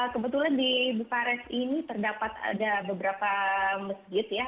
kebetulan di bukares ini terdapat ada beberapa masjid ya